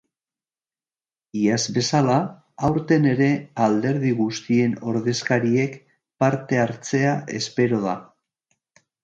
Iaz bezala, aurten ere alderdi guztien ordezkariek parte hartzea espero da.